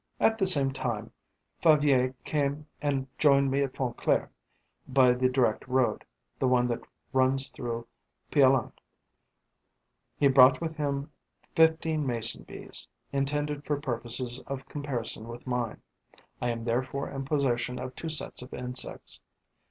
At the same time, Favier came and joined me at Font Claire, by the direct road, the one that runs through Piolenc. He brought with him fifteen Mason bees, intended for purposes of comparison with mine. I am therefore in possession of two sets of insects.